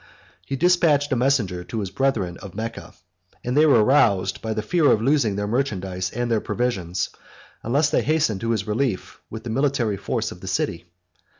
He despatched a messenger to his brethren of Mecca, and they were roused, by the fear of losing their merchandise and their provisions, unless they hastened to his relief with the military force of the city.